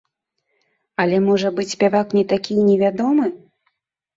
Але можа быць спявак не такі і невядомы?